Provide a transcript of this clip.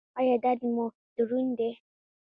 ایا درد مو دروند دی؟